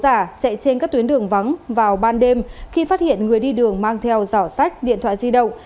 các đối tượng đã chạy trên các tuyến đường vắng vào ban đêm khi phát hiện người đi đường mang theo giỏ sách điện thoại di động